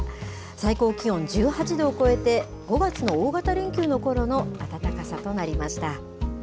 最高気温１８度を超えて、５月の大型連休のころの暖かさとなりました。